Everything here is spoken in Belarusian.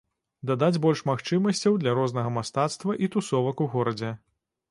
Дадаць больш магчымасцяў для рознага мастацтва і тусовак у горадзе.